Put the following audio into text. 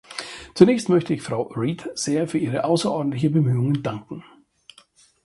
Zunächst möchte ich Frau Read sehr für ihre außerordentlichen Bemühungen danken.